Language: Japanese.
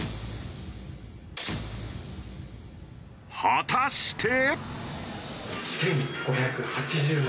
果たして。